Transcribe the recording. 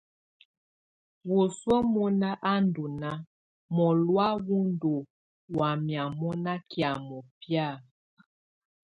Wǝ́suǝ mɔ̀na á ndɔ̀ nàà, mɔlɔ̀á wù ndù wamɛ̀á mɔna kɛ̀́á mɔbɛ̀á.